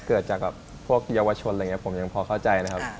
เกิดจากพวกเยาวชนผมยังพอเข้าใจนะครับ